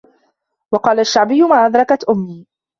وَقَالَ الشَّعْبِيُّ مَا أَدْرَكْت أُمِّي